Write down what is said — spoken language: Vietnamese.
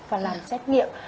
và làm xét nghiệm